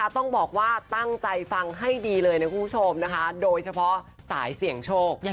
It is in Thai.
ต้องบอกว่าตั้งใจฟังให้ดีเลยนะคุณผู้ชมนะคะโดยเฉพาะสายเสี่ยงโชค